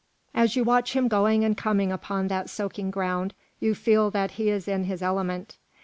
As you watch him going and coming upon that soaking ground, you feel that he is in his element.